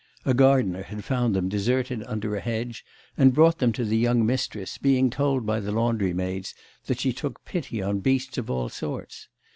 (A gardener had found them deserted under a hedge, and brought them to the young mistress, being told by the laundry maids that she took pity on beasts of all sorts.